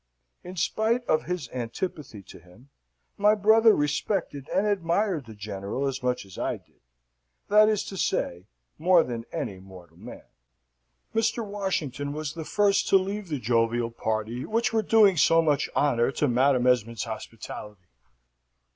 In spite of his antipathy to him, my brother respected and admired the General as much as I did that is to say, more than any mortal man." Mr. Washington was the first to leave the jovial party which were doing so much honour to Madam Esmond's hospitality.